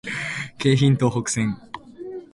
京浜東北線